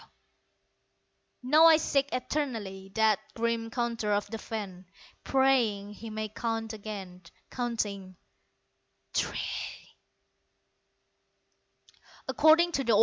Now I seek eternally That grim Counter of the fen, Praying he may count again Counting, "Three".